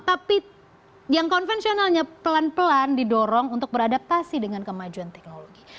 tapi yang konvensionalnya pelan pelan didorong untuk beradaptasi dengan kemajuan teknologi